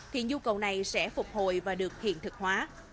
thì nhu cầu này sẽ phục hồi và được hiện thực hóa